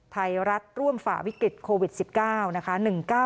ไทยรัฐร่วมฝ่าวิกฤตโควิด๑๙นะคะ